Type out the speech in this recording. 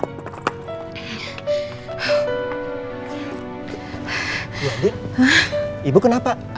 ya andi ibu kenapa